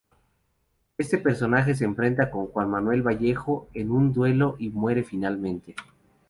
Este personaje se enfrenta con Juan Manuel Vallejo en un duelo y muere finalmente.